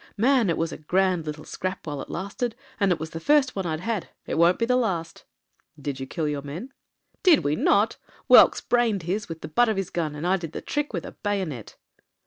Man, it was a grand little scrap while it lasted, and it was the first one I'd had. It won't be the last" "Did you kill your men ?" "Did we not? Welks brained his with the butt of his gun; and I did the trick with a bayonet."